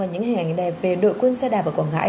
những hình ảnh đẹp về đội quân xe đạp ở quảng ngãi